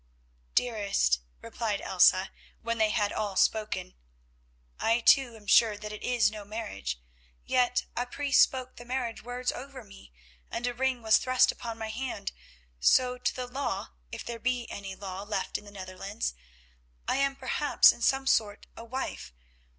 "Dearest," replied Elsa, when they had all spoken, "I too am sure that it is no marriage, yet a priest spoke the marriage words over me, and a ring was thrust upon my hand, so, to the law, if there be any law left in the Netherlands, I am perhaps in some sort a wife.